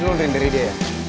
lo ngerenderin dia ya